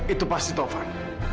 itu pasti taufan